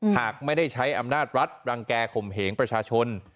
หากไม่ได้ใช้อำนาจรัฐรังแก่ข่มเหงประชาชน